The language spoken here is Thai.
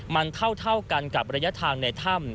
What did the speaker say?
มันเท่ากันกับระยะทางในถ้ำ